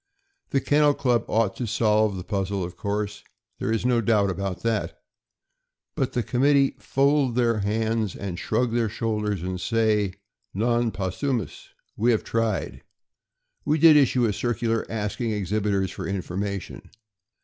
The Kennel Club ought to solve the puzzle, of course — there is no doubt about that; but the committee fold their hands a d shrug their shoulders, and say: Non possumm; we have tried. We did issue a circular asking exhibitors for information.